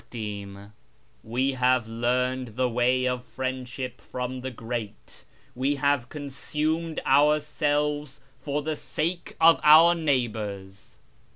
I " We have learned the way of friendship from the grate, We have consumed ourselves for the sake of our neighbours."